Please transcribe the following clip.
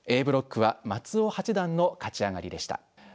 Ａブロックは松尾八段の勝ち上がりでした。